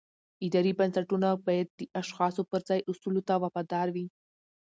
اداري بنسټونه باید د اشخاصو پر ځای اصولو ته وفادار وي